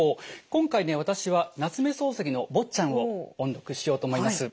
今回ね私は夏目漱石の「坊っちゃん」を音読しようと思います。